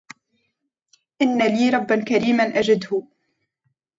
إن لي ربا كريما أجده